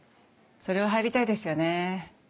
それは入りたいですよね。